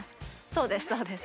そうですそうです。